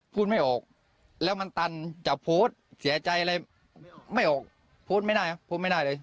พูดไม่ออกแล้วมันตันจะโพสต์เสียใจอะไรไม่ออกโพสต์ไม่ได้โพสต์ไม่ได้เลย